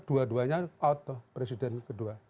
dua duanya out tuh presiden kedua